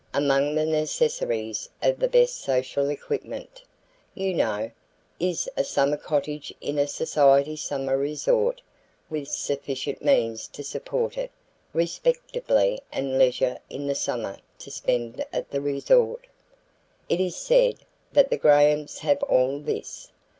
Among the necessaries of the best social equipment, you know, is a summer cottage in a society summer resort with sufficient means to support it respectably and leisure in the summer to spend at the resort. It is said that the Grahams have all this.